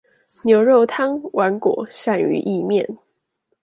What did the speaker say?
牛肉湯、碗粿、鱔魚意麵